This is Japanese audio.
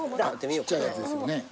ちっちゃいやつですよね。